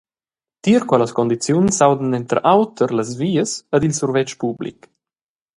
Tier quellas cundiziuns s’audan denter auter las vias ed il survetsch public.